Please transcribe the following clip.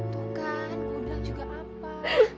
tuh kan mau bilang juga apa